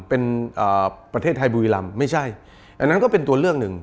เป็นประเทศไทยบุรีรำไม่ใช่อันนั้นก็เป็นตัวเลือกหนึ่ง